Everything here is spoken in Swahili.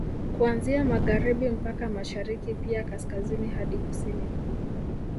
Kuanzia Magharibi mpaka Mashariki pia Kaskazini hadi Kusini